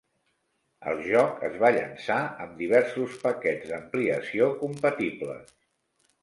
El joc es va llançar amb diversos paquets d'ampliació compatibles.